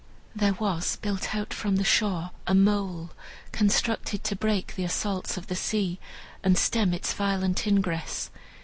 There was built out from the shore a mole, constructed to break the assaults of the sea, and stem its violent ingress.